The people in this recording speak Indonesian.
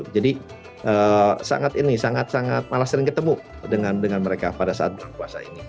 jadi sangat ini sangat sangat malah sering ketemu dengan mereka pada saat bulan puasa ini